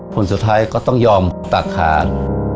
ผลสุดท้ายก็ต้องยอมตัดขา